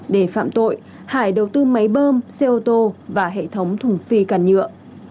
để phạm tội hải đầu tư máy bơm xe ô tô và hệ thống thùng phi càn nhựa